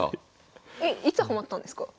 えっいつハマったんですか？